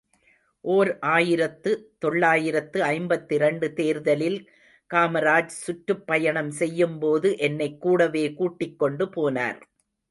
ஓர் ஆயிரத்து தொள்ளாயிரத்து ஐம்பத்திரண்டு தேர்தலில் காமராஜ் சுற்றுப்பயணம் செய்யும்போது என்னைக் கூடவே கூட்டிக்கொண்டு போனார்.